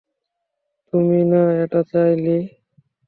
তুই না এটা চাইলি?